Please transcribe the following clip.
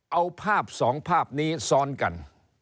เอาภาพสองภาพนี้ซ้อนกัน